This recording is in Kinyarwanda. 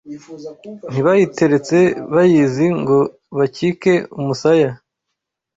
Ntibayiteretse bayizi Ngo bakike umusaya